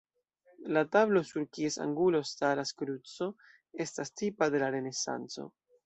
La tablo, sur kies angulo staras kruco, estas tipa de la Renesanco.